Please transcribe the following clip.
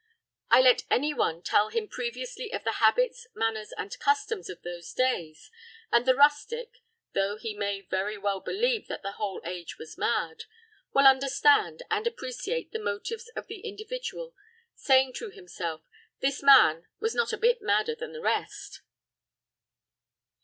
I let any one tell him previously of the habits, manners, and customs of those days, and the rustic though he may very well believe that the whole age was mad will understand and appreciate the motives of the individual, saying to himself, "This man was not a bit madder than the rest."